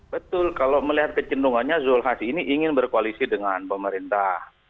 betul kalau melihat kecendungannya zulhas ini ingin berkoalisi dengan pemerintah